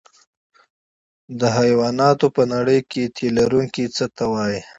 د حیواناتو په نړۍ کې تی لرونکي څه ته وایي